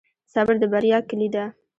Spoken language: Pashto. صبر د بریا کلي ده.